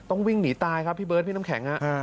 วิ่งหนีตายครับพี่เบิร์ดพี่น้ำแข็ง